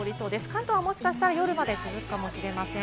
関東はもしかしたら夜まで続くかもしれません。